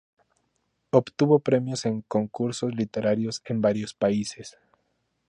Obtuvo premios en concursos literarios en varios países.